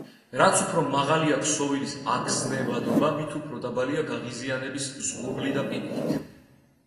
რაც უფრო მაღალია ქსოვილის აგზნებადობა, მით უფორ დაბალია გაღიზიანების ზღურბლი და პირიქით.